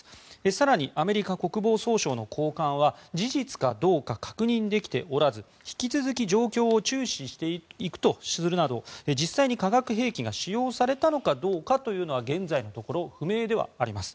更に、アメリカ国防総省の高官は事実かどうか確認できておらず引き続き状況を注視していくとするなど実際に化学兵器が使用されたのかどうかというのは現在のところ不明ではあります。